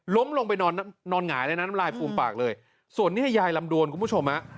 ลงไปนอนนอนหงายเลยนะน้ำลายฟูมปากเลยส่วนนี้ให้ยายลำดวนคุณผู้ชมฮะ